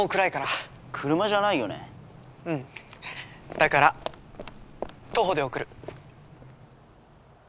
だから徒歩で送る。